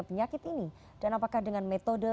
penyakit ini dan apakah dengan metode